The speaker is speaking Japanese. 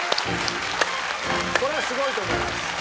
これはすごいと思います。